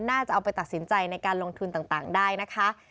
น่าจะเอาไปตัดสินใจในการลงทุนต่างได้นะคะ